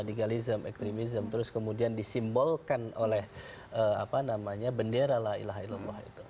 radikalisme ekstremisme terus kemudian disimbolkan oleh apa namanya bendera lah ilah ilallah itu